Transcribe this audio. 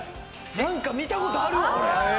なんか見たことあるわこれ。